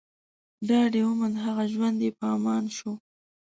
ډاډ يې وموند، همه ژوند يې په امان شو